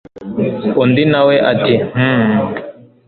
undi nawe ati hhm